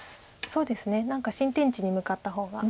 そうですね何か新天地に向かった方が。